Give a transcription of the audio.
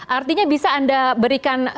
artinya bisa anda berikan informasi ya